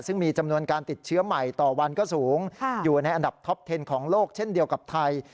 ซึ่งมีจำนวนการติดเชื้อใหม่ต่อวันก็สูงอยู่ในอันดับท็อปเทนของโลกเช่นเดียวกับไทย